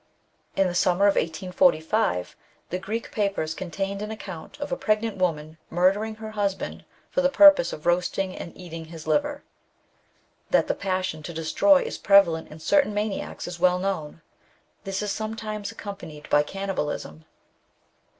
In the summer of 1845, the Greek papers contained an account of a pregnant woman murdering her hus band for the purpose of roasting and eating his liver. That the passion to destroy is prevalent in certain maniacs is well known ; this is sometimes accompanied by cannibalism.